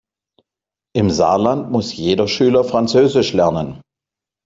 Im Saarland muss jeder Schüler französisch lernen.